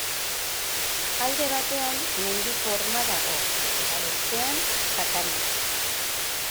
Alde batean, mendiko horma dago, eta, bestean, sakana.